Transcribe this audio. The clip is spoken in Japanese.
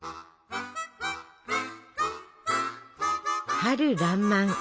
春らんまん。